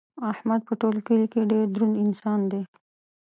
احمد په ټول کلي کې ډېر دروند انسان دی.